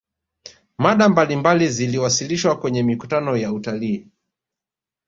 mada mbalimbali ziliwasilishwa kwenye mikutano ya utalii